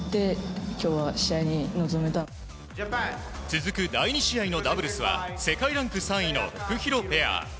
続く第２試合のダブルスは世界ランク３位のフクヒロペア。